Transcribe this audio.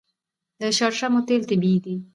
د شړشمو تیل طبیعي دي.